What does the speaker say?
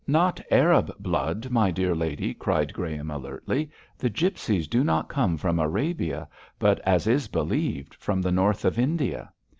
'Not Arab blood, my dear lady,' cried Graham, alertly; 'the gipsies do not come from Arabia, but, as is believed, from the north of India.